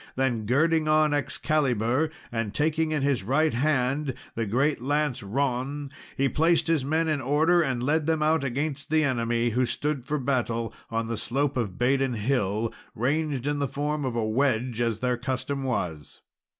Then girding on Excalibur and taking in his right hand his great lance Ron, he placed his men in order and led them out against the enemy, who stood for battle on the slope of Badon Hill, ranged in the form of a wedge, as their custom was.